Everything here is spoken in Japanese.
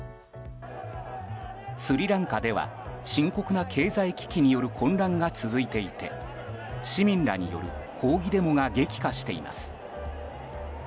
スリランカでは深刻な経済危機による混乱が続いていて市民らによる抗議デモが激化しています。